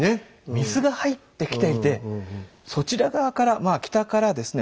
水が入ってきていてそちら側から北からですね